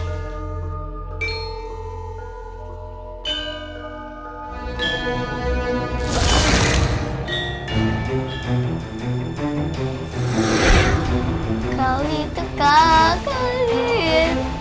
kau itu kakak liat